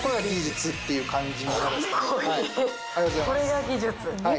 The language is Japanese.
これが技術。